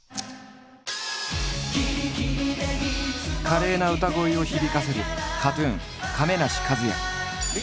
華麗な歌声を響かせるＫＡＴ−ＴＵＮ亀梨和也。